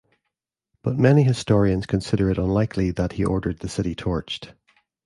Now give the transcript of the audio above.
But many historians consider it unlikely that he ordered the city torched.